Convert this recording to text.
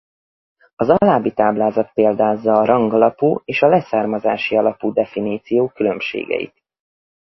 Az alábbi táblázat példázza a rang alapú és a leszármazási alapú definíciók különbségeit.